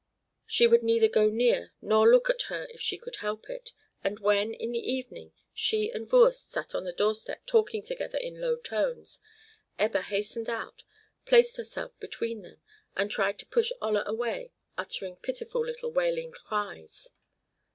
She would neither go near nor look at her if she could help it, and when, in the evening, she and Voorst sat on the doorstep talking together in low tones, Ebba hastened out, placed herself between them, and tried to push Olla away, uttering pitiful little wailing cries.